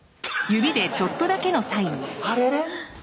あれれ？